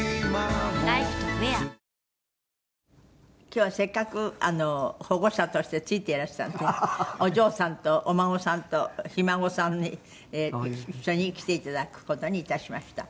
今日はせっかく保護者としてついていらしたんでお嬢さんとお孫さんとひ孫さんに一緒に来ていただく事にいたしました。